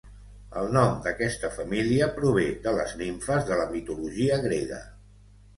El nom d'aquesta família prové de les nimfes de la mitologia grega.